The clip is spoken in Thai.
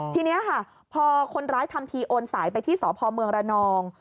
ทีนี้ค่ะพอคนร้ายทำทีโอนสายไปที่สพเมืองระนอง